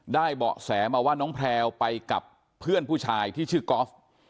เบาะแสมาว่าน้องแพลวไปกับเพื่อนผู้ชายที่ชื่อกอล์ฟ